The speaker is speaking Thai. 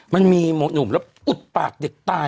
มันมีหนุ่มเรากัดอุดปากเด็กตายนะ